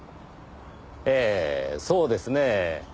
ええそうですねぇ。